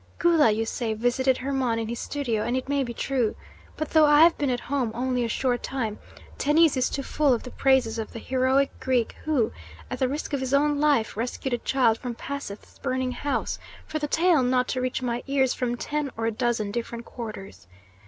Gula, you say, visited Hermon in his studio, and it may be true. But though I have been at home only a short time, Tennis is too full of the praises of the heroic Greek who, at the risk of his own life, rescued a child from Paseth's burning house, for the tale not to reach my ears from ten or a dozen different quarters.